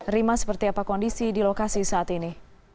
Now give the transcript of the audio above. rima seperti apa kondisi di lokasi saat ini